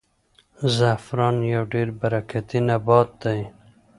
زعفران یو ډېر برکتي نبات دی.